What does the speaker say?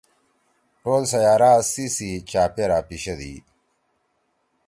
ٹول سیّارہ سی سی چاپیرا پیِشدی۔